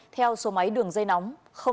theo số máy đường dây nóng